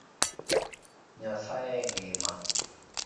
Nyasaye engima